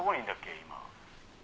今。